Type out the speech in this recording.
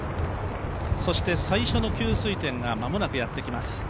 そして最初の給水点が間もなくやってきます。